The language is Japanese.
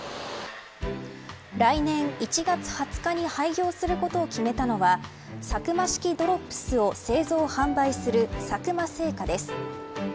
来年１月２０日に廃業することを決めたのはサクマ式ドロップスを製造販売する佐久間製菓です。